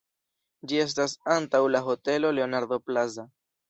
Ĝi estas antaŭ la Hotelo Leonardo Plaza.